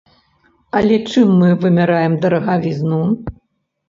Але чым мы вымяраем дарагавізну?